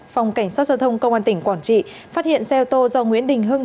phòng cảnh sát giao thông công an tỉnh quảng trị phát hiện xe ô tô do nguyễn đình hưng